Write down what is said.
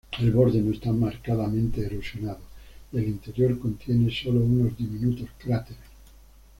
El borde no está marcadamente erosionado, y el interior contiene solo unos diminutos cráteres.